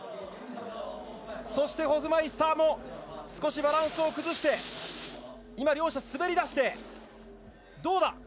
そしてホフマイスターも少しバランスを崩して今、両者、滑り出してどうだ。